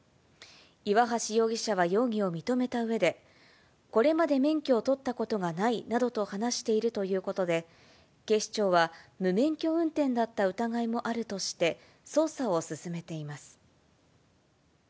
岩橋容疑者は容疑を認めたうえで、これまで免許を取ったことがないなどと話しているということで、警視庁は無免許運転だった疑いもあるとして、捜査を進めています。